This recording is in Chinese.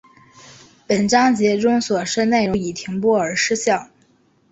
本章节中所示内容均因该栏目已停播而失效